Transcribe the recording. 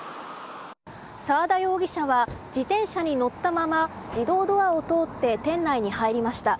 沢田容疑者は自転車に乗ったまま自動ドアを通って店内に入りました。